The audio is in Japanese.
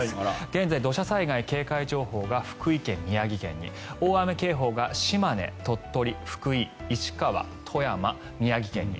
現在、土砂災害警戒情報が福井県、宮城県に大雨警報が島根、鳥取、福井石川、富山、宮城県に。